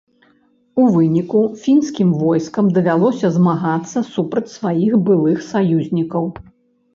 У выніку фінскім войскам давялося змагацца супраць сваіх былых саюзнікаў.